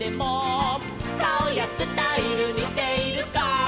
「かおやスタイルにているか」